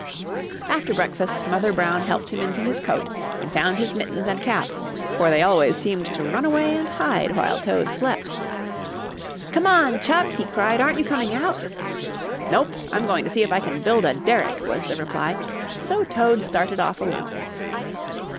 After breakfast Mother Brown helped him into his coat and found his mittens and cap, for they always seemed to run away and hide while Toad slept. "Come on, Chuck!" he cried. "Aren't you coming out?" "Nope, I'm going to see if I can build a derrick," was the reply, so Toad started off alone.